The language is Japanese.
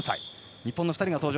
日本の２人が登場。